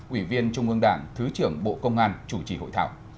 ủy viên trung ương đảng thứ trưởng bộ công an chủ trì hội thảo